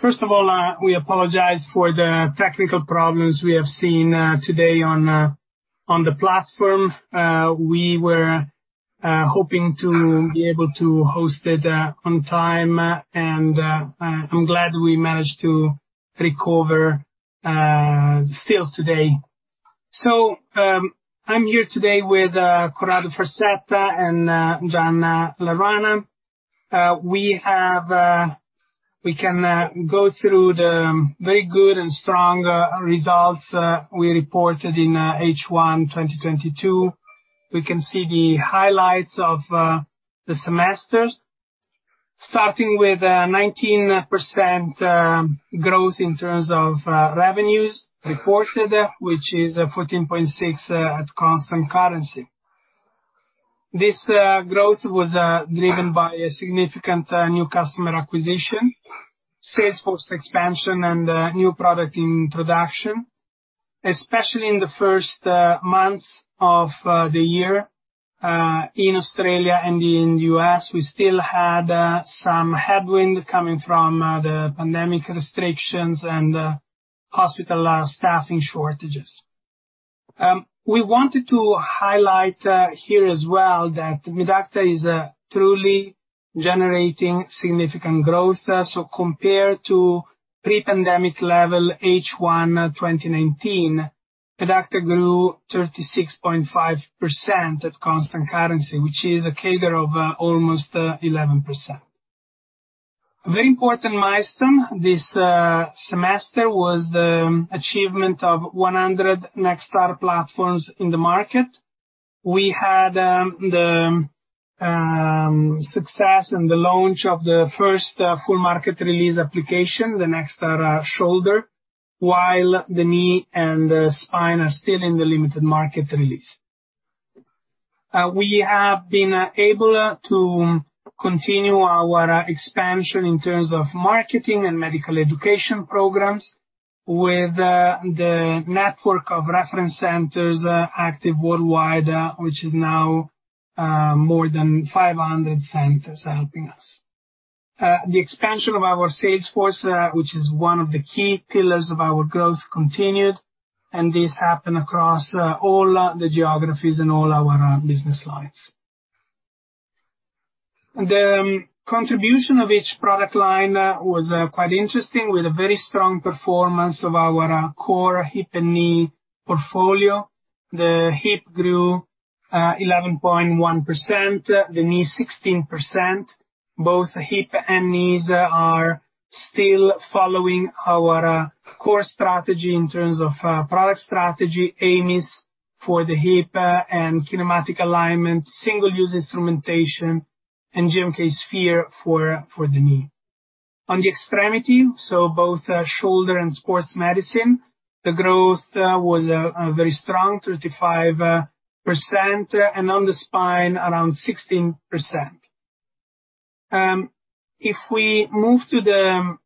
First of all, we apologize for the technical problems we have seen today on the platform. We were hoping to be able to host it on time, and I'm glad we managed to recover still today. I'm here today with Corrado Farsetta and Gianluca Olgiati. We can go through the very good and strong results we reported in H1 2022. We can see the highlights of the semester. Starting with 19% growth in terms of revenues reported, which is 14.6% at constant currency. This growth was driven by a significant new customer acquisition, sales force expansion and new product introduction, especially in the first months of the year. In Australia and in U.S., we still had some headwind coming from the pandemic restrictions and hospital staffing shortages. We wanted to highlight here as well that Medacta is truly generating significant growth. Compared to pre-pandemic level H1 2019, Medacta grew 36.5% at constant currency, which is a CAGR of almost 11%. A very important milestone this semester was the achievement of 100 NextAR platforms in the market. We had the success in the launch of the first full market release application, the NextAR Shoulder, while the knee and the spine are still in the limited market release. We have been able to continue our expansion in terms of marketing and medical education programs with the network of reference centers active worldwide, which is now more than 500 centers helping us. The expansion of our sales force, which is one of the key pillars of our growth continued, and this happened across all the geographies and all our business lines. The contribution of each product line was quite interesting, with a very strong performance of our core hip and knee portfolio. The hip grew 11.1%, the knee 16%. Both hip and knees are still following our core strategy in terms of product strategy, AMIS for the hip and kinematic alignment, single-use instrumentation and GMK Sphere for the knee. On the extremity, so both shoulder and sports medicine, the growth was very strong, 35%, and on the spine, around 16%. If we move to the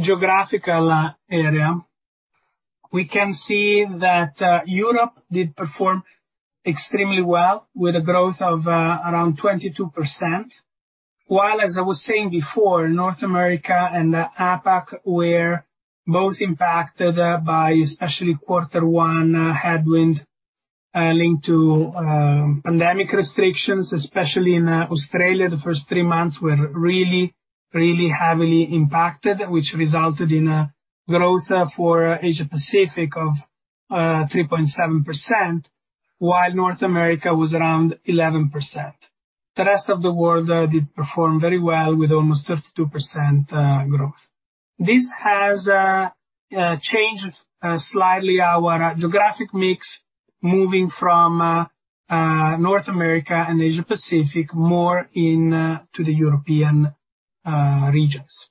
geographical area, we can see that Europe did perform extremely well with a growth of around 22%. While, as I was saying before, North America and APAC were both impacted by, especially quarter one, headwind linked to pandemic restrictions, especially in Australia. The first three months were really heavily impacted, which resulted in a growth for Asia Pacific of 3.7%, while North America was around 11%. The rest of the world did perform very well with almost 32% growth. This has changed slightly our geographic mix, moving from North America and Asia Pacific more in to the European regions.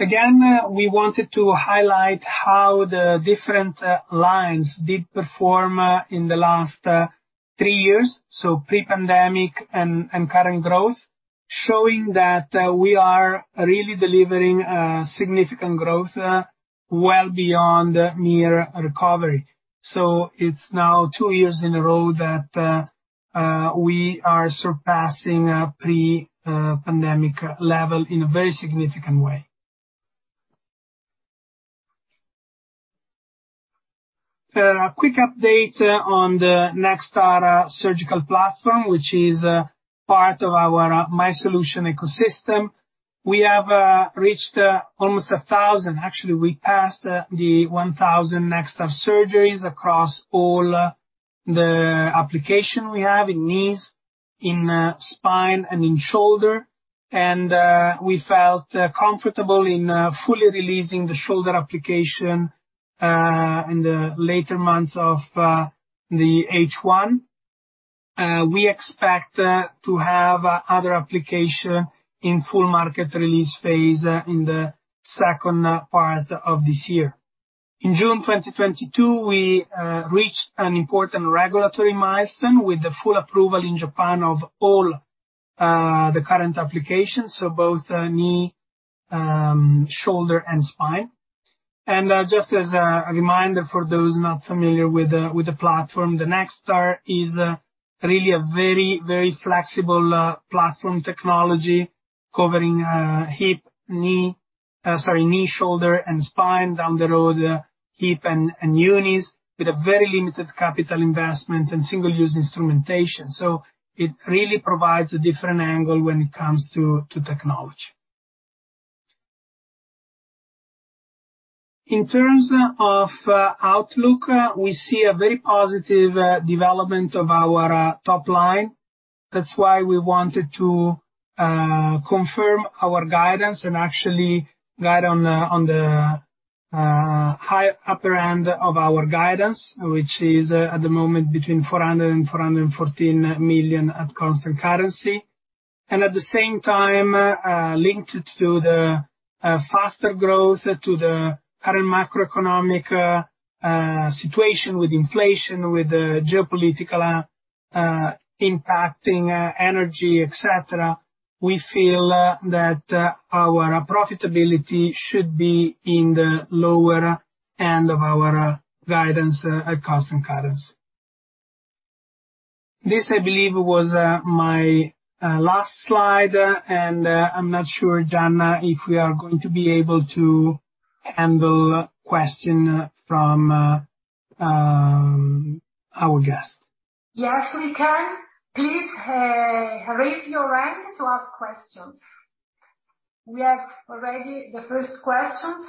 Again, we wanted to highlight how the different lines did perform in the last three years, so pre-pandemic and current growth, showing that we are really delivering significant growth well beyond mere recovery. It's now two years in a row that we are surpassing a pre-pandemic level in a very significant way. A quick update on the NextAR surgical platform, which is part of our MySolutions Personalized Ecosystem. We have reached almost 1,000. Actually, we passed the 1,000 NextAR surgeries across all the application we have in knees, in spine and in shoulder. We felt comfortable in fully releasing the shoulder application in the later months of the H1. We expect to have other application in full market release phase in the second part of this year. In June 2022, we reached an important regulatory milestone with the full approval in Japan of all the current applications. Both knee, shoulder and spine. Just as a reminder for those not familiar with the platform, the NextAR is really a very flexible platform technology covering knee, shoulder, and spine, down the road, hip and unis, with a very limited capital investment and single-use instrumentation. It really provides a different angle when it comes to technology. In terms of outlook, we see a very positive development of our top line. That's why we wanted to confirm our guidance and actually guide on the higher end of our guidance, which is at the moment between 400 million and 414 million at constant currency. At the same time, linked to the faster growth to the current macroeconomic situation with inflation, with the geopolitical impacting energy, et cetera, we feel that our profitability should be in the lower end of our guidance at constant currency. This, I believe, was my last slide, and I'm not sure, Gianluca, if we are going to be able to handle question from our guests. Yes, we can. Please, raise your hand to ask questions. We have already the first questions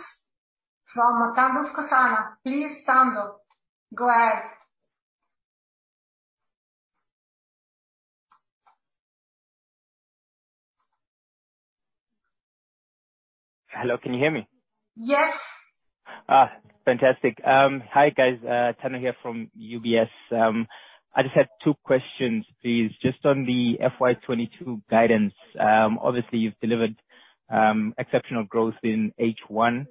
from Tando Ntosona. Please, Tando, go ahead. Hello, can you hear me? Yes. Fantastic. Hi, guys, Tando here from UBS. I just had two questions, please. Just on the FY 2022 guidance, obviously you've delivered exceptional growth in H1.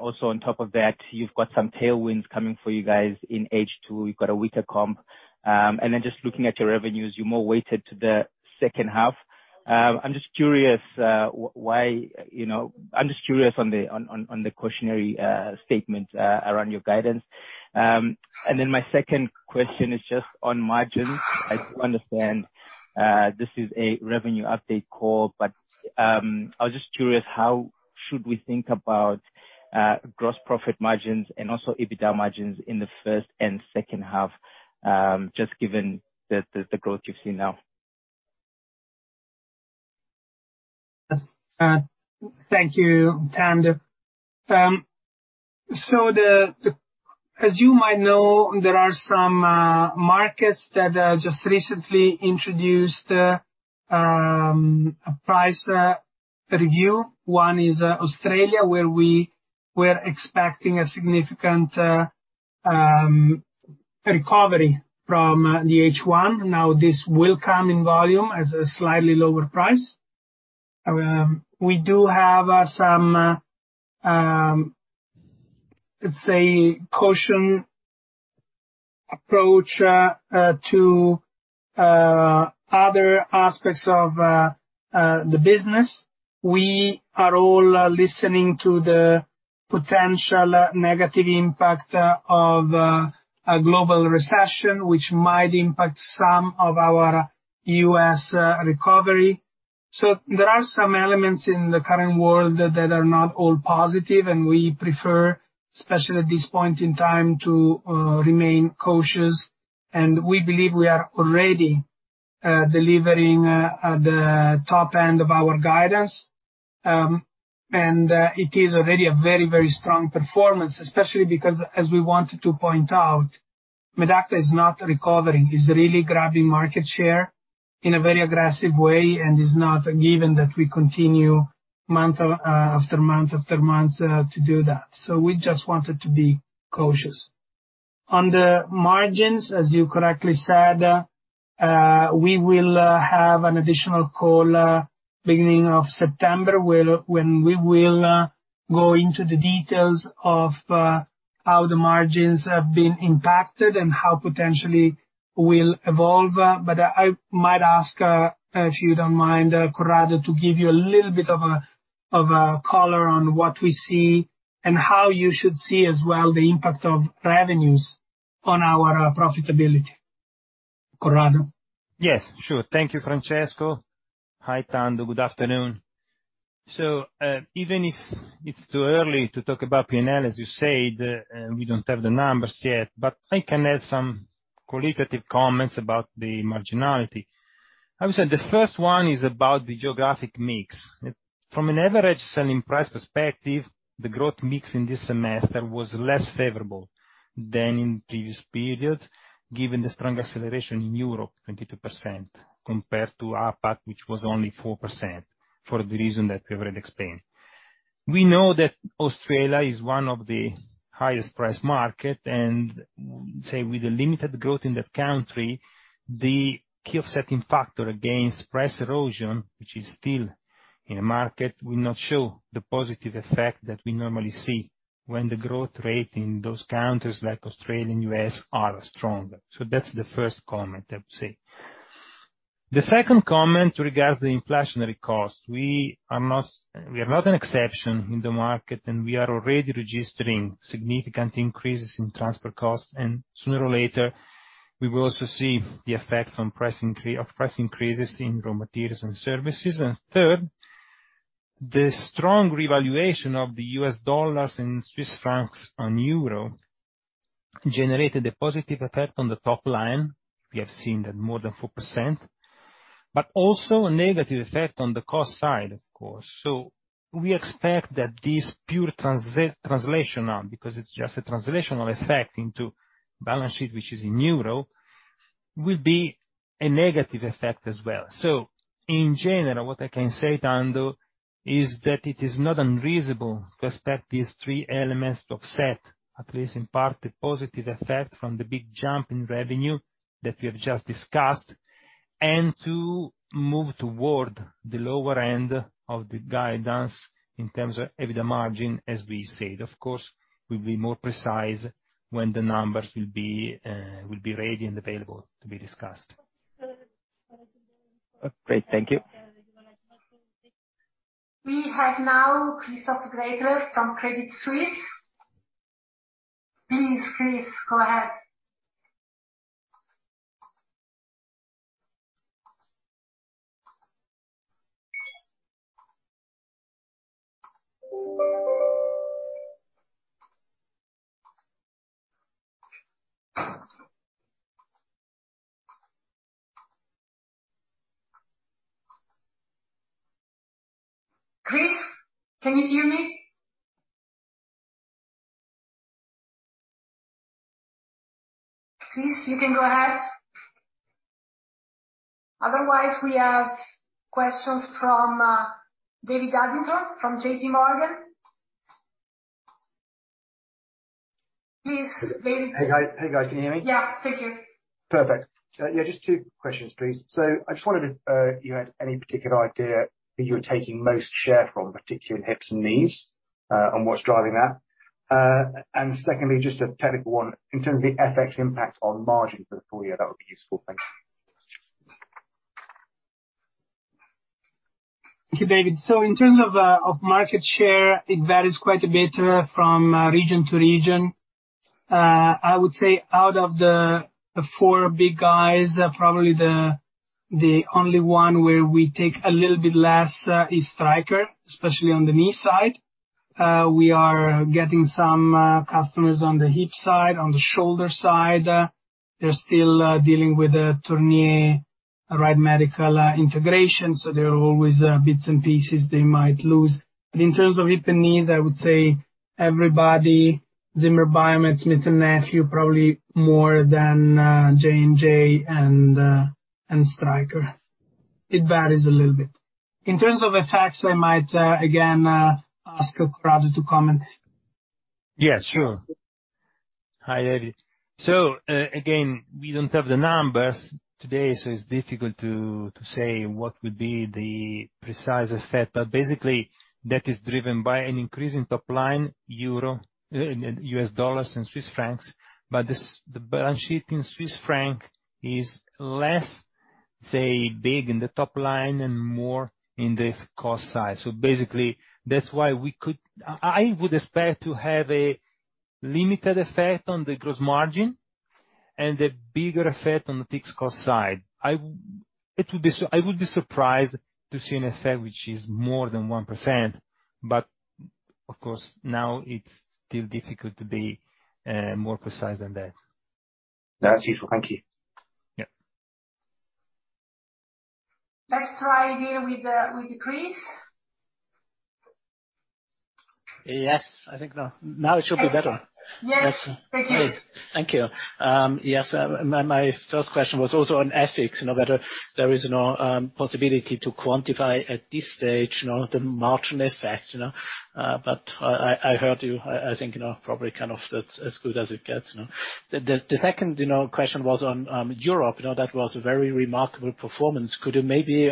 Also on top of that, you've got some tailwinds coming for you guys in H2. You've got a weaker comp. Just looking at your revenues, you're more weighted to the second half. I'm just curious, why, you know, I'm just curious on the cautionary statement around your guidance. My second question is just on margins. I do understand, this is a revenue update call, but I was just curious, how should we think about gross profit margins and also EBITDA margins in the first and second half, just given the growth you've seen now? Thank you, Tando. As you might know, there are some markets that just recently introduced a price review. One is Australia, where we were expecting a significant recovery from the H1. Now, this will come in volume as a slightly lower price. We do have some, let's say, cautious approach to other aspects of the business. We are all listening to the potential negative impact of a global recession, which might impact some of our U.S. recovery. There are some elements in the current world that are not all positive, and we prefer, especially at this point in time, to remain cautious. We believe we are already delivering the top end of our guidance. It is already a very, very strong performance, especially because, as we wanted to point out, Medacta is not recovering. It's really grabbing market share in a very aggressive way and is not a given that we continue month after month after month to do that. We just wanted to be cautious. On the margins, as you correctly said, we will have an additional call beginning of September, when we will go into the details of how the margins have been impacted and how potentially will evolve. I might ask, if you don't mind, Corrado, to give you a little bit of a color on what we see and how you should see as well the impact of revenues on our profitability. Corrado? Yes, sure. Thank you, Francesco. Hi, Tando. Good afternoon. Even if it's too early to talk about P&L, as you said, we don't have the numbers yet, but I can add some qualitative comments about the marginality. I would say the first one is about the geographic mix. From an average selling price perspective, the growth mix in this semester was less favorable than in previous periods, given the strong acceleration in Europe, 22%, compared to APAC, which was only 4% for the reason that We've already explained. We know that Australia is one of the highest price market, and, say, with the limited growth in that country, the key offsetting factor against price erosion, which is still in a market, will not show the positive effect that we normally see when the growth rate in those countries like Australia and US are stronger. That's the first comment I would say. The second comment regards the inflationary costs. We are not an exception in the market, and we are already registering significant increases in transport costs. Sooner or later, we will also see the effects on price increases in raw materials and services. Third, the strong revaluation of the US dollars and Swiss francs on euro generated a positive effect on the top line. We have seen that more than 4%, but also a negative effect on the cost side, of course. We expect that this pure translation, because it's just a translational effect into balance sheet, which is in euro, will be a negative effect as well. In general, what I can say, Tando, is that it is not unreasonable to expect these three elements to offset, at least in part, the positive effect from the big jump in revenue that we have just discussed, and to move toward the lower end of the guidance in terms of EBITDA margin, as we said. Of course, we'll be more precise when the numbers will be ready and available to be discussed. Great. Thank you. We have now Christoph Gretler from Credit Suisse. Please, Chris, go ahead. Chris, can you hear me? Chris, you can go ahead. Otherwise, we have questions from David Adlington from J.P. Morgan. Please, David. Hey, guys. Can you hear me? Yeah. Thank you. Perfect. Yeah, just two questions, please. I just wondered if you had any particular idea who you were taking most share from, particularly in hips and knees, and what's driving that. And secondly, just a technical one. In terms of the FX impact on margin for the full year, that would be useful. Thank you. Thank you, David. In terms of market share, it varies quite a bit from region to region. I would say out of the four big guys, probably the only one where we take a little bit less is Stryker, especially on the knee side. We are getting some customers on the hip side. On the shoulder side, they're still dealing with Tornier, Wright Medical integration, so there are always bits and pieces they might lose. In terms of hip and knees, I would say everybody, Zimmer Biomet, Smith+Nephew, probably more than J&J and Stryker. It varies a little bit. In terms of effects, I might again ask Corrado to comment. Yeah, sure. Hi, David. Again, we don't have the numbers today, so it's difficult to say what would be the precise effect. Basically that is driven by an increase in top line euro, US dollars and Swiss francs. The balance sheet in Swiss franc is less, say, big in the top line and more in the cost side. Basically, that's why I would expect to have a limited effect on the gross margin and a bigger effect on the fixed cost side. I would be surprised to see an effect which is more than 1%, but of course, now it's still difficult to be more precise than that. That's useful. Thank you. Yeah. Let's try again with Chris. Yes, I think now it should be better. Yes. Thank you. Thank you. Yes, my first question was also on EBITDA, you know, whether there is, you know, possibility to quantify at this stage, you know, the margin effect, you know. But I heard you. I think, you know, probably kind of that's as good as it gets, you know. The second, you know, question was on Europe, you know. That was a very remarkable performance. Could you maybe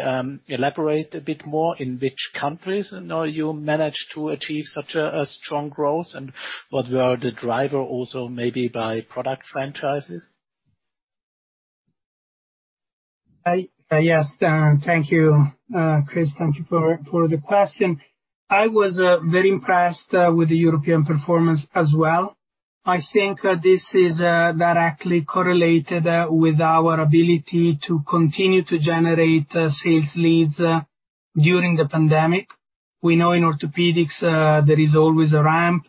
elaborate a bit more in which countries, you know, you managed to achieve such a strong growth and what were the driver also maybe by product franchises? Yes, thank you, Chris. Thank you for the question. I was very impressed with the European performance as well. I think this is directly correlated with our ability to continue to generate sales leads during the pandemic. We know in orthopedics there is always a ramp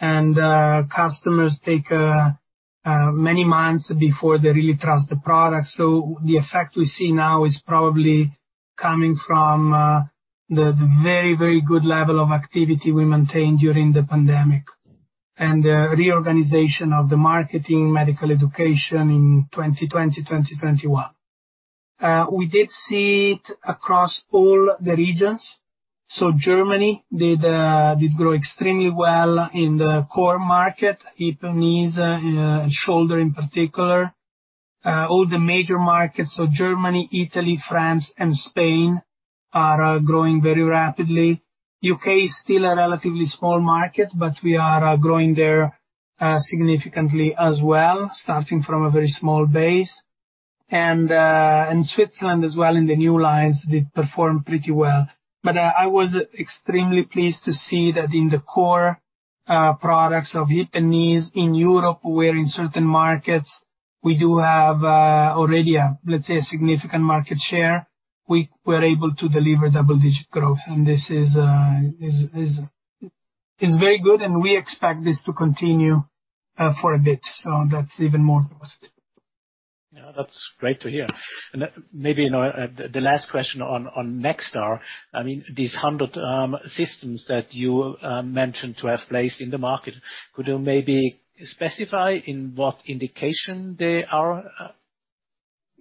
and customers take many months before they really trust the product. The effect we see now is probably coming from the very good level of activity we maintained during the pandemic and the reorganization of the marketing medical education in 2020, 2021. We did see it across all the regions. Germany did grow extremely well in the core market, hip and knees, and shoulder in particular. All the major markets are Germany, Italy, France and Spain growing very rapidly. U.K. is still a relatively small market, but we are growing there significantly as well, starting from a very small base. In Switzerland as well in the new lines, we've performed pretty well. I was extremely pleased to see that in the core products of hip and knees in Europe, where in certain markets we do have already a, let's say, a significant market share, we're able to deliver double-digit growth. This is very good, and we expect this to continue for a bit. That's even more positive. Yeah, that's great to hear. Maybe, you know, the last question on NextAR. I mean, these 100 systems that you mentioned to have placed in the market, could you maybe specify in what indication they are?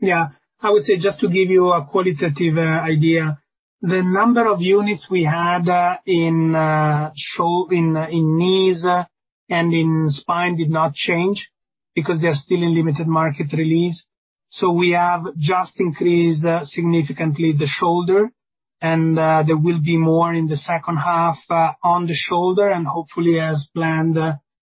Yeah. I would say just to give you a qualitative idea, the number of units we had in shoulders, in knees and in spine did not change because they are still in limited market release. We have just increased significantly the shoulder and there will be more in the second half on the shoulder and hopefully as planned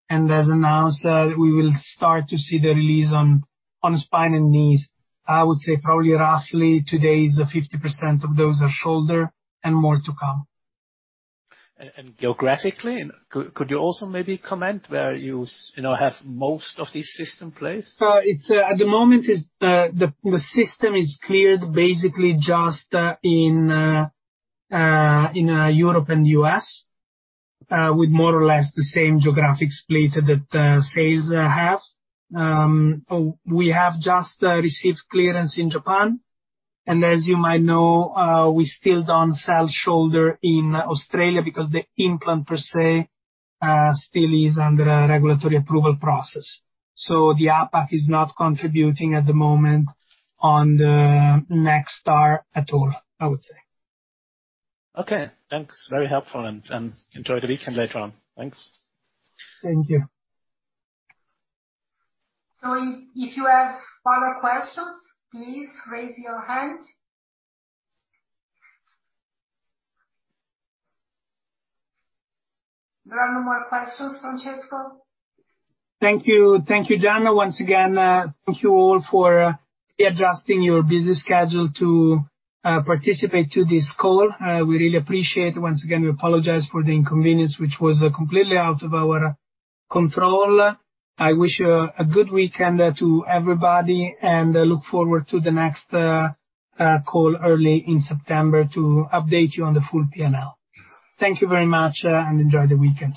and as announced we will start to see the release on spine and knees. I would say probably roughly today is 50% of those are shoulder and more to come. Geographically, could you also maybe comment where you know have most of these systems placed? It's at the moment the system is cleared basically just in Europe and U.S. with more or less the same geographic split that sales have. We have just received clearance in Japan. As you might know, we still don't sell shoulder in Australia because the implant per se still is under a regulatory approval process. The APAC is not contributing at the moment on the NextAR at all, I would say. Okay, thanks. Very helpful and enjoy the weekend later on. Thanks. Thank you. If you have further questions, please raise your hand. There are no more questions, Francesco. Thank you. Thank you, Gianluca. Once again, thank you all for readjusting your busy schedule to participate to this call. We really appreciate. Once again, we apologize for the inconvenience, which was completely out of our control. I wish a good weekend to everybody, and I look forward to the next call early in September to update you on the full P&L. Thank you very much, and enjoy the weekend.